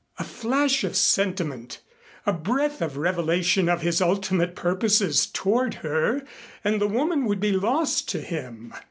A flash of sentiment, a breath of revelation of his ultimate purposes toward her, and the woman would be lost to him.